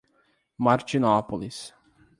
Martinópolis